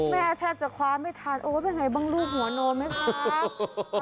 แทบจะคว้าไม่ทันโอ้เป็นไงบ้างลูกหัวโน้นไหมครับ